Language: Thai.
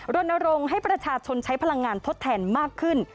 รณรงค์ให้ประชาชนใช้พลังงานทดแทนมากขึ้น